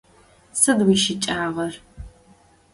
Сыд уищыкӀагъэр?